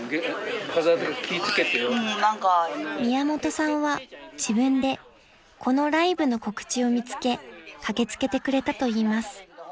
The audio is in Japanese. ［宮本さんは自分でこのライブの告知を見つけ駆け付けてくれたといいます］